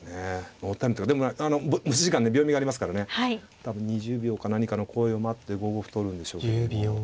ノータイムっていうかでもね持ち時間ね秒読みがありますからね多分２０秒か何かの声を待って５五歩取るんでしょうけども。